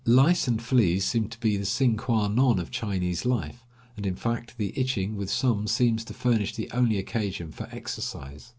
Lice and fleas seem to be the sine qua non of Chinese life, and in fact the itching with some seems to furnish the only occasion for exercise.